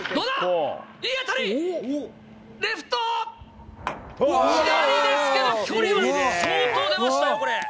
レフト、左ですけど、距離は相当出ましたよ、これ。